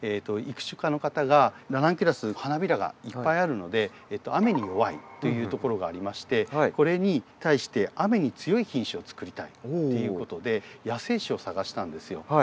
育種家の方がラナンキュラス花びらがいっぱいあるので雨に弱いというところがありましてこれに対して雨に強い品種を作りたいっていうことで野生種を探したんですよ。